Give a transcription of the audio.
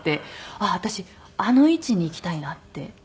あっ私あの位置にいきたいなっていう風に。